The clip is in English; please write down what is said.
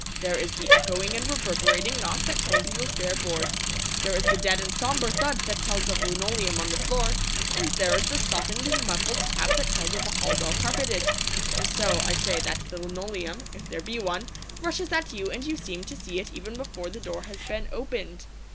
There is the echoing and reverberating knock that tells you of bare boards; there is the dead and sombre thud that tells of linoleum on the floor; and there is the softened and muffled tap that tells of a hall well carpeted. And so I say that the linoleum if there be one rushes at you, and you seem to see it even before the door has been opened.